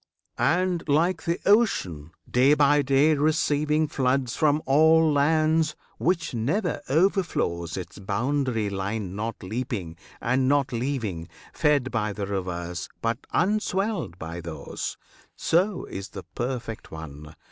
And like the ocean, day by day receiving Floods from all lands, which never overflows Its boundary line not leaping, and not leaving, Fed by the rivers, but unswelled by those; So is the perfect one!